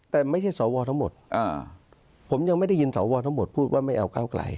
แต่ไม่ใช่สวทั้งหมดผมยังไม่ได้ยินสวทั้งหมดพูดว่าไม่เอาก้าวไกล